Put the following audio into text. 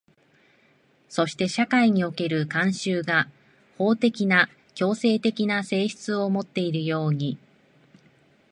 そして社会における慣習が法的な強制的な性質をもっているように、